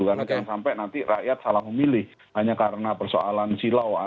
karena jangan sampai nanti rakyat salah memilih hanya karena persoalan silau